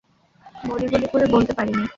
বলি বলি করে বলতে পারিনি।